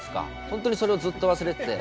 本当にそれをずっと忘れてて。